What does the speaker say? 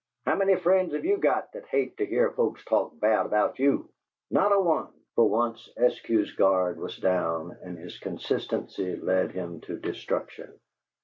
"How many friends have you got that hate to hear folks talk bad about you?" "Not a one!" For once Eskew's guard was down, and his consistency led him to destruction.